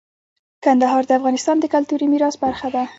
کندهار د افغانستان د کلتوري میراث برخه ده.